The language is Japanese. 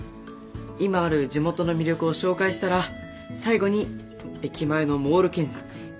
今ある地元の魅力を紹介したら最後に駅前のモール建設。